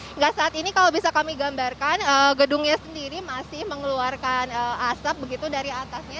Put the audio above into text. enggak saat ini kalau bisa kami gambarkan gedungnya sendiri masih mengeluarkan asap begitu dari atasnya